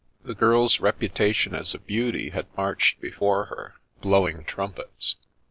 The girl's reputation as a beauty had marched be fore her, blowing trumpets.